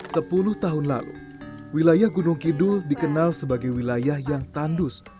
sepuluh tahun lalu wilayah gunung kidul dikenal sebagai wilayah yang tandus